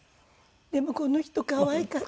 でもこの人可愛かった。